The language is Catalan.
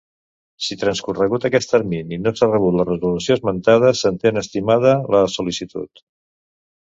Si transcorregut aquest termini no s'ha rebut la resolució esmentada, s'entén estimada la sol·licitud.